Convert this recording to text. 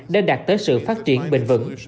để đạt tới sự phát triển bình vẩn